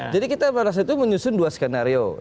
jadi kita pada saat itu menyusun dua skenario